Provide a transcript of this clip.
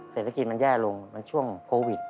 เศรษฐกิจมันแย่ลงมันช่วงโควิด